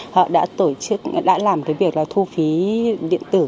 họ đã tổ chức đã làm cái việc là thu phí điện tử